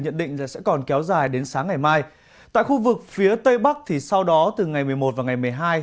nhận định là sẽ còn kéo dài đến sáng ngày mai tại khu vực phía tây bắc thì sau đó từ ngày một mươi một và ngày